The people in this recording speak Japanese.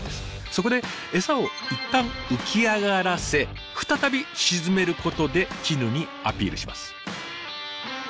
そこで餌を一旦浮き上がらせ再び沈めることでチヌにアピールします。